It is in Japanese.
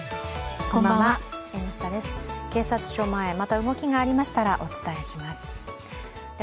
警察署前、また動きがありましたらお伝えします。